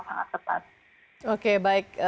sangat tepat oke baik